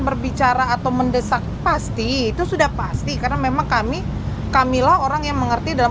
berbicara atau mendesak pasti itu sudah pasti karena memang kami kami loh orang yang memang semuanya di tuang